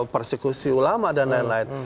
persekusi ulama dan lain lain